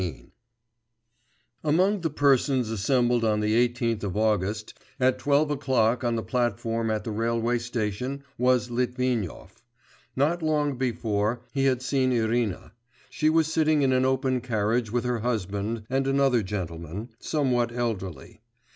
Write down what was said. XVIII Among the persons assembled on the 18th of August at twelve o'clock on the platform at the railway station was Litvinov. Not long before, he had seen Irina: she was sitting in an open carriage with her husband and another gentleman, somewhat elderly.